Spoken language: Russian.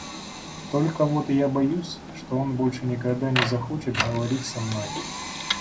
Только вот я боюсь, что он больше никогда не захочет говорить со мной.